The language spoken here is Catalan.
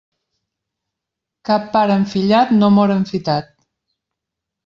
Cap pare enfillat no mor enfitat.